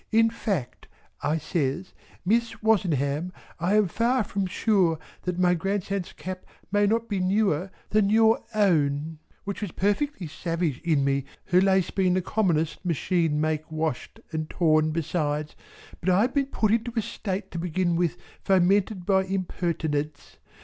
In fact" I says "Miss Wozenham I am far from sure that my grandson's cap may not be newer than your own" which was perfectly savage in me, her lace being the commonest machine make washed and torn besides, but I had been put into a state to begin with fomented by impertinence.